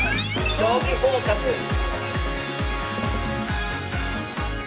「将棋フォーカス」です。